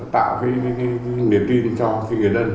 tạo cái niềm tin cho người đơn